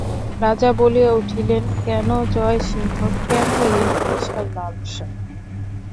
রাজা বলিয়া উঠিলেন, কেন জয়সিংহ, কেন এ হিংসার লালসা!